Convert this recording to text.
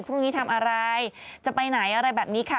พรุ่งนี้ทำอะไรจะไปไหนอะไรแบบนี้ค่ะ